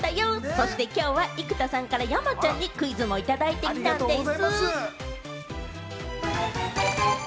そしてきょうは生田さんから山ちゃんにクイズもいただいてきたんでぃす。